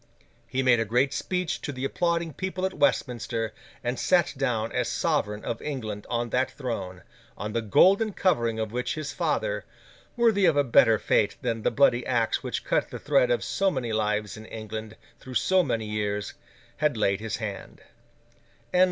He made a great speech to the applauding people at Westminster, and sat down as sovereign of England on that throne, on the golden covering of which his father—worthy of a better fate than the bloody axe which cut the thread of so many lives in England, through so many years—had laid his hand.